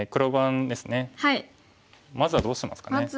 まずはどうしますかね。